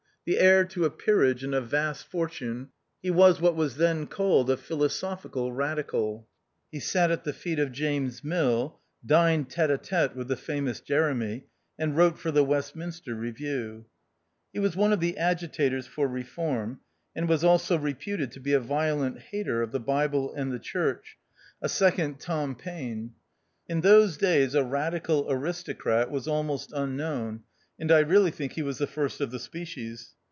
The heir to a peerage and a vast fortune, he was what was then called a " Philosophical Radical." He sat at the feet of James Mill, dined tete a tete with the famous Jeremy, and wrote for the Westminster Review. He was one of the agitators for Reform, and was also reputed to be a violent hater of the Bible and the Church, a second Tom 82 THE OUTCAST. Paine. In those clays a Kadical aristo crat was almost unknown, and I really think he was the first of the species.